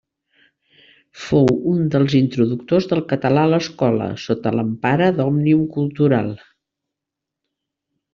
Fou un dels introductors del català a l'escola, sota l'empara d'Òmnium Cultural.